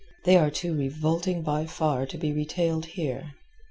They are too revolting by far to be retailed here.